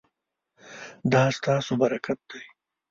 دا ستاسو برکت دی